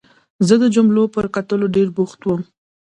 زه د جملو پر کټلو ډېر بوخت وم.